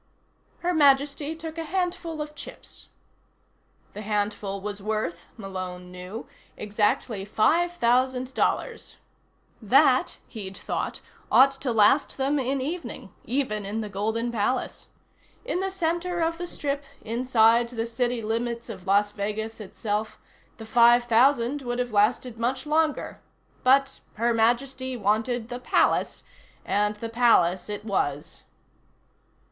Her Majesty took a handful of chips. The handful was worth, Malone knew, exactly five thousand dollars. That, he'd thought, ought to last them an evening, even in the Golden Palace. In the center of the strip, inside the city limits of Las Vegas itself, the five thousand would have lasted much longer but Her Majesty wanted the Palace, and the Palace it was.